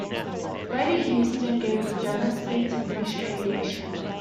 Lady Houston gave generously to British aviation.